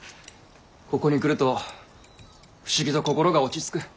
ここに来ると不思議と心が落ち着く。